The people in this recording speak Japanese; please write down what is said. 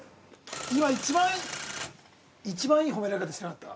◆今、一番いい褒められ方してなかった？